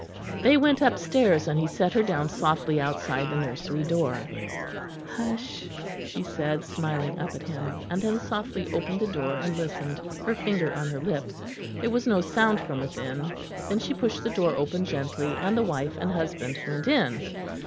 They went upstairs and he set her down softly outside the nursery door. "Hush," she said, smiling up at him; and then softly opened the door and listened, her finger on her lip; there was no sound from within; then she pushed the door open gently, and the wife and husband went in.